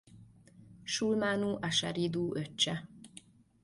Sulmánu-asarídu öccse.